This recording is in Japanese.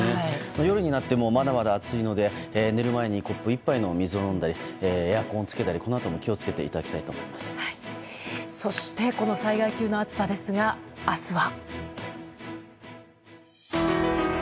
夜になってもまだまだ暑いので寝る前にコップ１杯の水を飲んだりエアコンをつけたり、このあとも気を付けていただきたいとそしてこの災害級の暑さですが明日は。